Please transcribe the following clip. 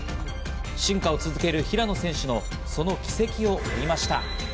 進化を続ける平野選手のその軌跡を追いました。